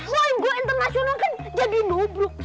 boim gua internasional kan jadi no block